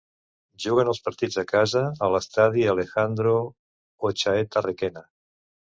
Juguen els partits a casa a l'estadi Alejandro Ochaeta Requena.